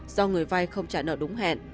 do người vai không trả nợ đúng hẹn